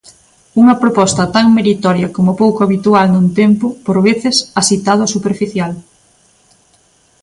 Unha proposta tan meritoria como pouco habitual nun tempo, por veces, axitado e superficial.